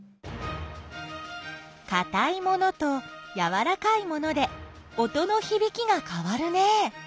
かたい物とやわらかい物で音のひびきがかわるね。